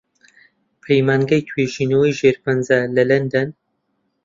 پەیمانگای توێژینەوەی شێرپەنجە لە لەندەن